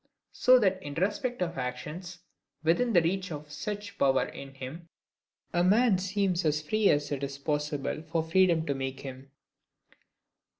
So that in respect of actions within the reach of such a power in him, a man seems as free as it is possible for freedom to make him.